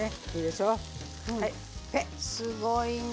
すごいな。